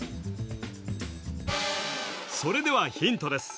それではヒントです